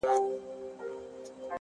o ستا د خولې خندا يې خوښه سـوېده؛